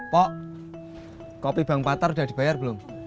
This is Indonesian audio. pok kopi bang patar udah dibayar belum